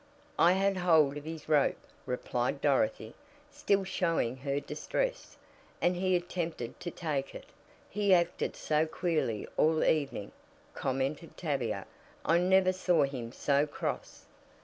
"I had hold of his rope," replied Dorothy, still showing her distress, "and he attempted to take it " "He acted so queerly all evening," commented Tavia. "I never saw him so cross."